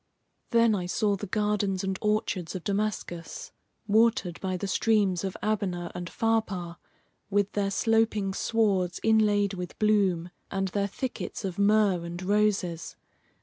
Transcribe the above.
Then I saw the gardens and orchards of Damascus, watered by the streams of Abana and Pharpar, with their sloping swards inlaid with bloom, and their thickets of myrrh and roses.